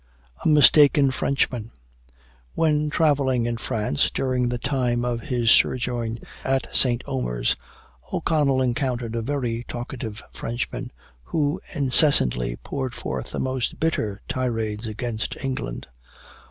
A MISTAKEN FRENCHMAN. When travelling in France, during the time of his sojourn at St. Omer's, O'Connell encountered a very talkative Frenchman, who incessantly poured forth the most bitter tirades against England.